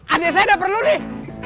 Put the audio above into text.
aneh saya udah perlu nih